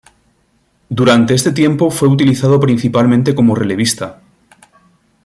Durante este tiempo, fue utilizado principalmente como relevista.